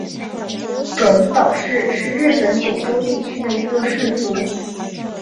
种子岛氏是日本九州地区的一个氏族。